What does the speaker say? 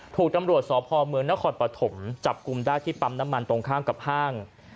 ถูกตำรวจสพเมืองนครปฐมจับกลุ่มได้ที่ปั๊มน้ำมันตรงข้ามกับห้าง